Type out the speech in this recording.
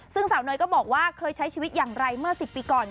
ซึ่งสาวเนยก็บอกว่าเคยใช้ชีวิตอย่างไรเมื่อ๑๐ปีก่อน